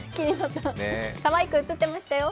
かわいく映ってましたよ。